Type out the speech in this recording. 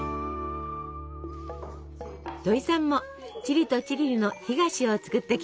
どいさんもチリとチリリの干菓子を作ってきました。